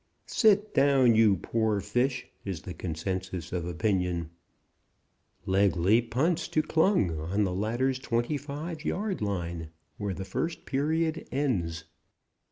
"Sit down, you poor fish!" is the consensus of opinion. "Legly punts to Klung on the latter's 25 yard line, where the first period ends."